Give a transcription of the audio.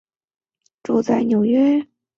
住在纽约。